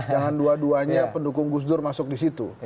jangan dua duanya pendukung gus dur masuk di situ